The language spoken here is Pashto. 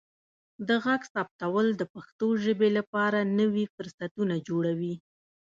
د غږ ثبتول د پښتو ژبې لپاره نوي فرصتونه جوړوي.